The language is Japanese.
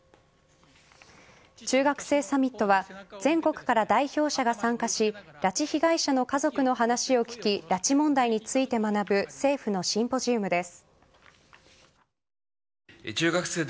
中学生サミットは全国から代表者が参加し拉致被害者の家族の話を聞き拉致問題について学ぶ政府のシンポジウムです。